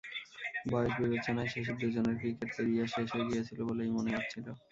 বয়স বিবেচনায় শেষের দুজনের ক্রিকেট ক্যারিয়ার শেষ হয়ে গিয়েছিল বলেই মনে হচ্ছিল।